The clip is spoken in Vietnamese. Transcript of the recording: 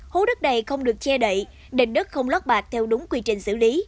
hố đất đầy không được che đậy đền đất không lót bạc theo đúng quy trình xử lý